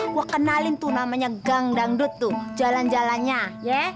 gue kenalin tuh namanya gang dangdut tuh jalan jalannya ya